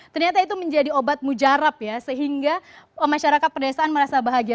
ternyata itu menjadi obat mujarab ya sehingga masyarakat pedesaan merasa bahagia